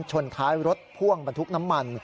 ชนท้ายรถพ่วงบรรทุกน้ำมัน